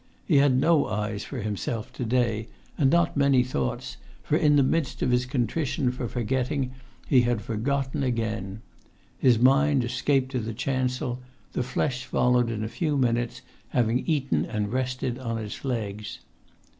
He had no eyes for himself to day, and not many thoughts, for, in the midst of his contrition for forgetting, he had forgotten again. His mind had escaped to the chancel; the flesh followed in a few minutes, having eaten and rested on its legs.